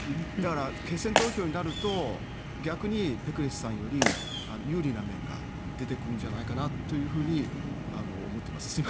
だから、決選投票になると逆にぺクレスさんより有利な面が出てくるんじゃないかと思っています。